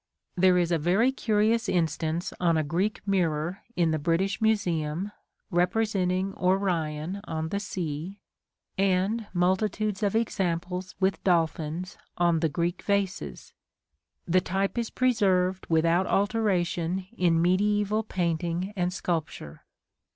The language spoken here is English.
There is a very curious instance on a Greek mirror in the British Museum, representing Orion on the Sea; and multitudes of examples with dolphins on the Greek vases: the type is preserved without alteration in mediæval painting and sculpture.